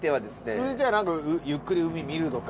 続いてはなんかゆっくり海見るとか。